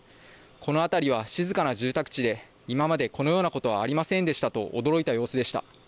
この辺りは静かな住宅地で、今までこのようなことはありませんでしたと驚いた様子でした。